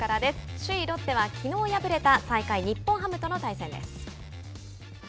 首位ロッテはきのう敗れた最下位、日本ハムと対戦です。